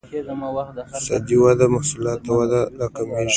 اقتصادي وده محصولات وده راکمېږي.